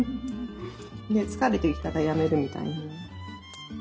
で疲れてきたらやめるみたいな。